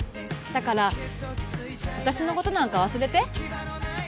だから私のことなんか忘れて。